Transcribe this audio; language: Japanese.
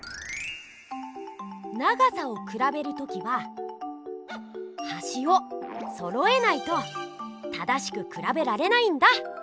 長さをくらべる時ははしをそろえないと正しくくらべられないんだ！